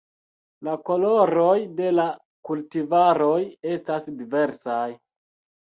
La koloroj de la kultivaroj estas diversaj.